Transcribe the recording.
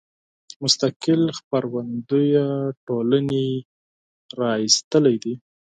مستقبل خپرندويه ټولنې را ایستلی دی.